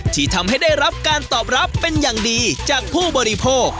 ที่ทำให้ได้รับการตอบรับเป็นอย่างดีจากผู้บริโภค